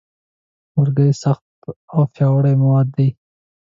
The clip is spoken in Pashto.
لرګی سخت او پیاوړی مواد دی.